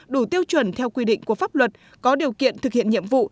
đủ tiêu chuẩn theo quy định của pháp luật có điều kiện thực hiện nhiệm vụ